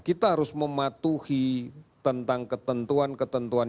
kita harus mematuhi tentang ketentuan ketentuan